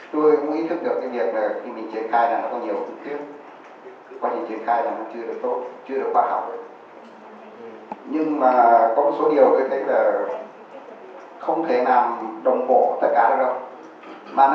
tôi cũng ý thức được cái việc là khi mình triển khai là nó có nhiều ứng kiến